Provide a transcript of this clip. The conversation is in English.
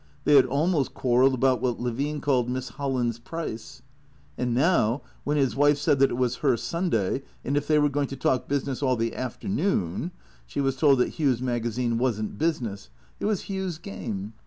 They had almost quarreled about what Levine called " Miss Holland's price." And now, when his wife said that it was Sunday — and if they were going to talk business all the after noon — she was told that Hugh's magazine was n't business. It was Hugh's game.